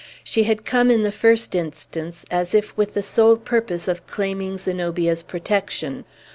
She had come, in the first instance, as if with the sole purpose of claiming Zenobia's protection.